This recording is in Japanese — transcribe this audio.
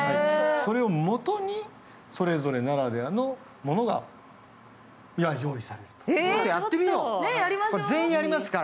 それをもとに、それぞれならではのものが用意される。